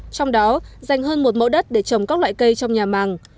trong đó dành hơn một mẫu đất để trồng các loại cây trong nhà màng